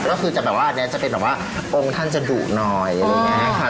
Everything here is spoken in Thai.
ก็คือจะแบบว่าอันนี้จะเป็นแบบว่าองค์ท่านจะดุหน่อยอะไรอย่างนี้ค่ะ